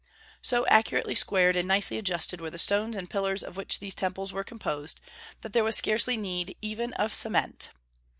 So accurately squared and nicely adjusted were the stones and pillars of which these temples were composed, that there was scarcely need even of cement.